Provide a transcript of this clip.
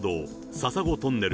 笹子トンネル